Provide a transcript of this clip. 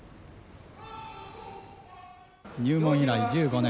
入門以来１５年。